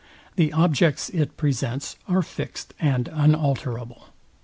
The objects it presents are fixt and unalterable.